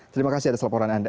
terima kasih ada selaporan anda